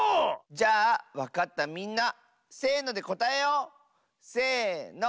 じゃあわかったみんなせのでこたえよう！せの。